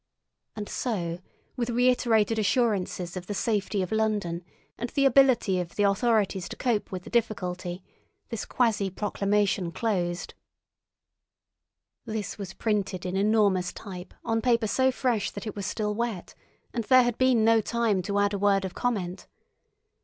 And so, with reiterated assurances of the safety of London and the ability of the authorities to cope with the difficulty, this quasi proclamation closed. This was printed in enormous type on paper so fresh that it was still wet, and there had been no time to add a word of comment.